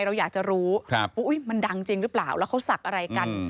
เราอยากจะรู้ว่ามันดังจริงหรือเปล่าแล้วเขาศักดิ์อะไรกัน